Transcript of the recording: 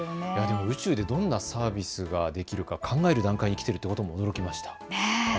宇宙でどんなサービスができるか考える段階にきているということに驚きました。